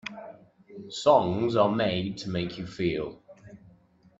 Songs are made to make you feel.